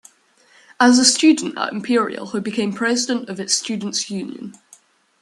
As a student at Imperial he became president of its students' union.